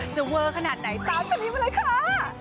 จะเวอร์ขนาดไหนตามฉันไปเลยค่ะ